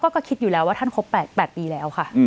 ก็คิดอยู่แล้วว่าท่านครบ๘ปีแล้วค่ะ